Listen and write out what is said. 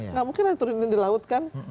nggak mungkin diturunin di laut kan